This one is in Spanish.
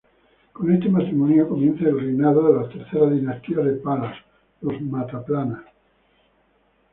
Con este matrimonio, comienza el reinado de la tercera dinastía de Pallars: los Mataplana.